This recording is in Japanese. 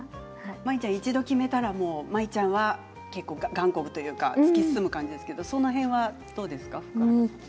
舞ちゃんは一度決めたら舞ちゃんは断固というか突き進む感じですけどその辺は、どうですか？